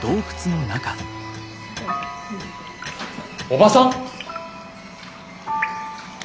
おばさん！？